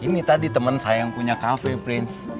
ini tadi teman saya yang punya cafe prince